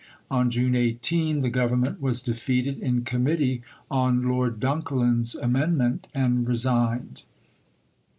On June 18 the Government was defeated in Committee on Lord Dunkellin's amendment, and resigned.